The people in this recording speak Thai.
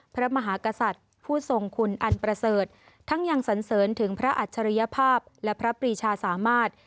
พระมหากษัตริย์ผู้ทรงคุณอันประเสริฐทั้งยังสันเสริญถึงพระอัจฉริยภาพและพระปรีชาสามารถ